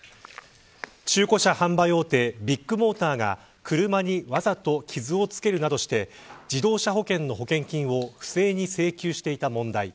中古車販売大手ビッグモーターが車にわざと傷をつけるなどして自動車保険の保険金を不正に請求していた問題。